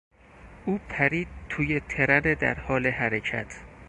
او پرید توی ترن در حال حرکت.